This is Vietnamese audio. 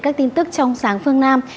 các tin tức trong sáng phương nam